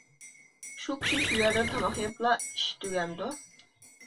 شۇ كىشى شۇ يەردىن تاماق يەپلا ئىش تۈگەمدۇ؟ !